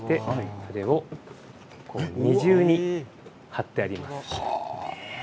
これを二重に張ってあります。